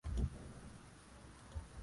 Alitoa ahadi alizozitoa Dokta Hussein Mwinyi